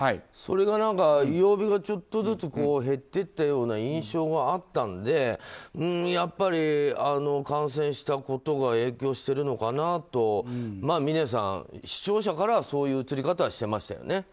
それが曜日がちょっとずつ減っていたような印象があったのでやっぱり感染したことが影響してるのかなと、峰さん視聴者からそういう映り方はしてましたよね。